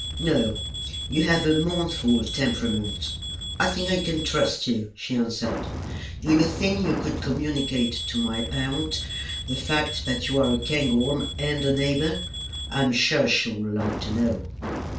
"No; you have a mournful temperament. I think I can trust you," she answered. "Do you think you could communicate to my aunt the fact that you are a Cairngorm and a neighbor? I am sure she would like to know."